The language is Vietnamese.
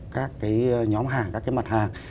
các cái nhóm hàng các cái mặt hàng